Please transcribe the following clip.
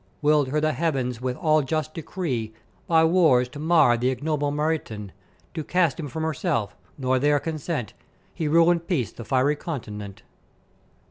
Willed her the Heavens with all just decree by wars to mar th' ignoble Mauritan, to cast him from herself: nor there consent he rule in peace the Fiery Continent.